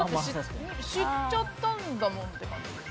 知っちゃったんだもんって感じです。